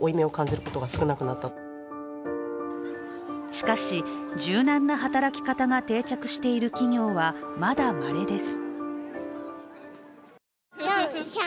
しかし、柔軟な働き方が定着している企業はまだまれです。